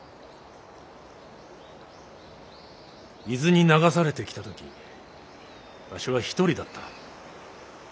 伊豆に流されてきた時わしは一人だった。